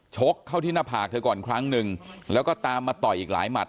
ชกเข้าที่หน้าผากเธอก่อนครั้งหนึ่งแล้วก็ตามมาต่อยอีกหลายหมัด